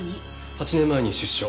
８年前に出所。